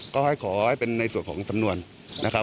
ก็ให้ขอให้เป็นในส่วนของสำนวนนะครับ